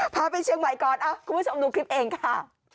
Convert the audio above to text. พาไปเชียงใหม่ก่อนคุณผู้ชมดูคลิปเองค่ะ